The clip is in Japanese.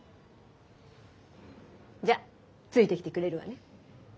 じゃあついてきてくれるわね？